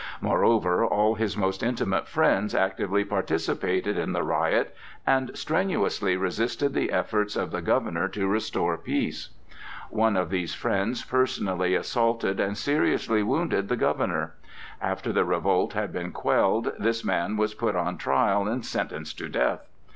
Moreover all his most intimate friends actively participated in the riot and strenuously resisted the efforts of the governor to restore peace. One of these friends personally assaulted and seriously wounded the governor. After the revolt had been quelled, this man was put on trial and sentenced to death.